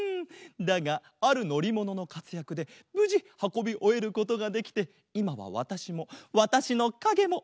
だがあるのりもののかつやくでぶじはこびおえることができていまはわたしもわたしのかげもげんきだボン！